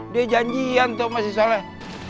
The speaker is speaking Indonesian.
dia janjian tuh sama si soleh